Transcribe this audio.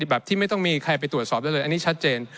แบบที่ไม่ต้องมีใครไปตรวจสอบได้เลยอันนี้ชัดเจน